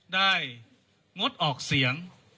ได้งดออกเสียง